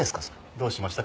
どうしました？